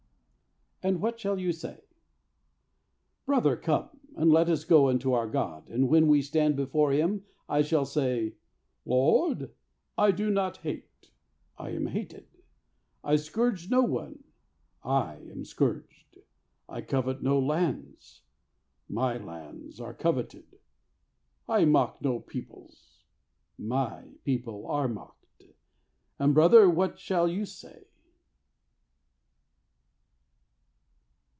AND WHAT SHALL YOU SAY? Brother, come! And let us go unto our God. And when we stand before Him I shall say "Lord, I do not hate, I am hated. I scourge no one, I am scourged. I covet no lands, My lands are coveted. I mock no peoples, My people are mocked." And, brother, what shall you say?